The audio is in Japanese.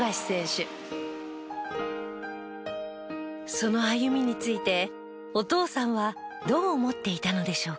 その歩みについてお父さんはどう思っていたのでしょうか。